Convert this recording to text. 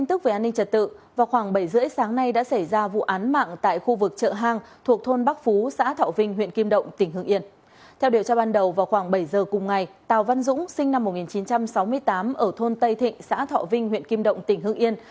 tàu văn dũng sinh năm một nghìn chín trăm sáu mươi tám ở thôn tây thịnh xã thọ vinh huyện kim động tỉnh hưng yên